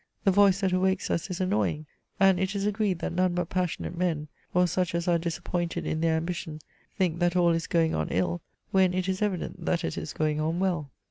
The voice that awakes us is annoying, and it is agreed that none hut passionate men, or such as are disappointed in their amhition, think that all is going on ill, when it is evident that it is going on well."